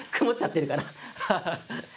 曇っちゃってるかな。